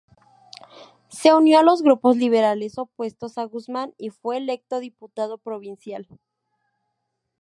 Se unió a los grupos liberales opuestos a Guzmán, y fue electo diputado provincial.